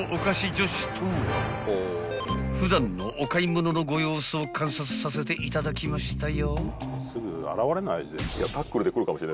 ［普段のお買い物のご様子を観察させていただきましたよ］